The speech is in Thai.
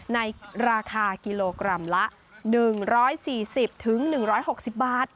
ในราคากิโลกรัมละ๑๔๐๑๖๐บาท